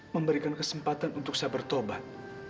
memberikan kesempatan untuk saya bertobat